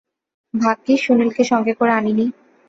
ভাগ্যিস সুনীলকে সঙ্গে করে আনিনি!